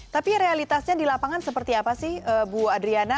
tapi realitasnya di lapangan seperti apa sih bu adriana